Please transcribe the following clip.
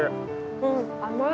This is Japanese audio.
うん甘い。